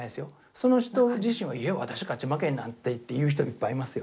その人自身は「いえ私勝ち負けなんて」って言う人いっぱいいますよ。